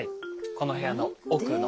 この部屋の奥の。